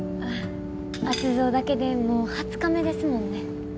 圧造だけでもう２０日目ですもんね。